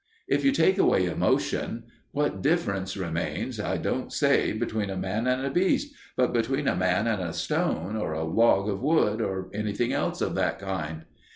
If you take away emotion, what difference remains I don't say between a man and a beast, but between a man and a stone or a log of wood, or anything else of that kind?